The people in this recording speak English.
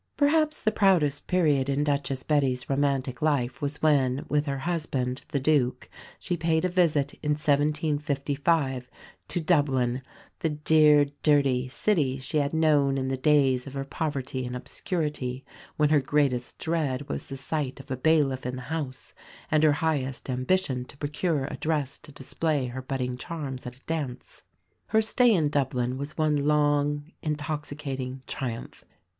Perhaps the proudest period in Duchess Betty's romantic life was when, with her husband, the Duke, she paid a visit, in 1755, to Dublin, the "dear, dirty" city she had known in the days of her poverty and obscurity, when her greatest dread was the sight of a bailiff in the house, and her highest ambition to procure a dress to display her budding charms at a dance. Her stay in Dublin was one long, intoxicating triumph.